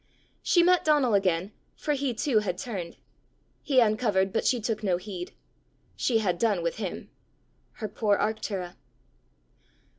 She met Donal again, for he too had turned: he uncovered, but she took no heed. She had done with him! Her poor Arctura.